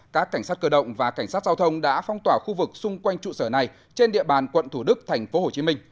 các cảnh sát cơ động và cảnh sát giao thông đã phong tỏa khu vực xung quanh trụ sở này trên địa bàn quận thủ đức tp hcm